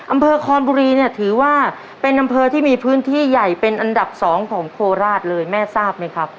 อำเภอคอนบุรีเนี่ยถือว่าเป็นอำเภอที่มีพื้นที่ใหญ่เป็นอันดับสองของโคราชเลยแม่ทราบไหมครับ